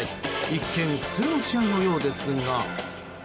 一見、普通の試合のようですが。